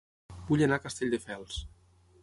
Vull anar a Castelldefels